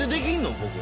僕。